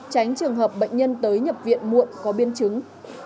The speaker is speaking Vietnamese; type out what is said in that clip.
tránh trường hợp bệnh nhân tới nhập viện muộn có biến chứng